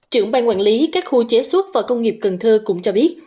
trưởng ban quản lý các khu chế xuất và công nghiệp cần thơ cũng cho biết